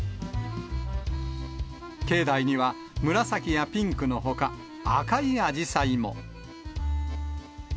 境内には紫やピンクのほか、赤いあじさいも。